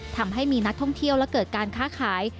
ทำให้มีนักท่องเที่ยวและเกิดการค้าขาย